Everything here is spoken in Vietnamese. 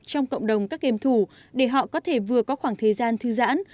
trong cộng đồng các game thủ để họ có thể vừa có khoảng thời gian thư giãn